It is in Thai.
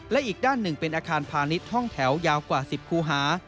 และอีกด้านหนึ่งเป็นอาคารพาณิชย์ห้องแถวยาวกว่า๑๐คูหา